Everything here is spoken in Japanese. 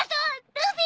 ルフィ。